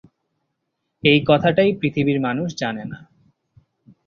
এই কথাটাই পৃথিবীর মানুষ জানে না।